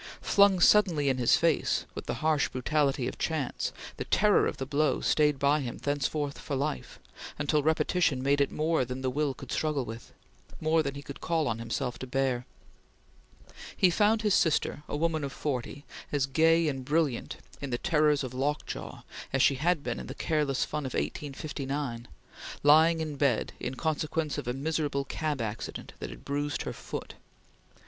Flung suddenly in his face, with the harsh brutality of chance, the terror of the blow stayed by him thenceforth for life, until repetition made it more than the will could struggle with; more than he could call on himself to bear. He found his sister, a woman of forty, as gay and brilliant in the terrors of lockjaw as she had been in the careless fun of 1859, lying in bed in consequence of a miserable cab accident that had bruised her foot.